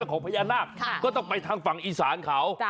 ของพญานาคก็ต้องไปทางฝั่งอีสานเขา